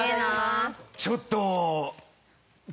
ちょっと。